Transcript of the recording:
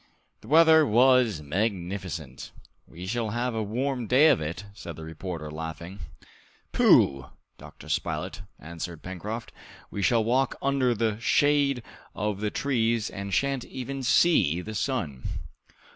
The weather was magnificent. "We shall have a warm day of it," said the reporter, laughing. "Pooh! Dr. Spilett," answered Pencroft, "we shall walk under the shade of the trees and shan't even see the sun!"